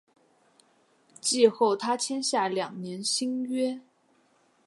季后他签下两年新约。